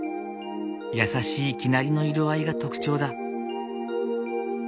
優しい生成りの色合いが特徴だ。